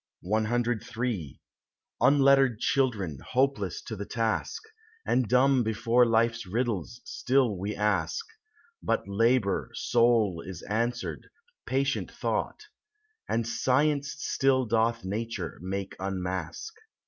CIII Unlettered children, hopeless to the task, And dumb before life's riddles, still we ask; But labour, sole, is answered—patient thought, And science still doth nature make unmask.